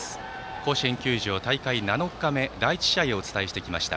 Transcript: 甲子園球場、大会７日目第１試合をお伝えしてきました。